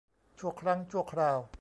ชั่วครั้งชั่วคราว